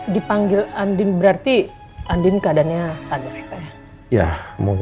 dipanggil andin berarti andin keadaannya sadar ya